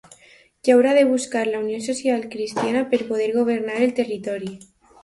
Què haurà de buscar la Unió Social-Cristiana per poder governar el territori?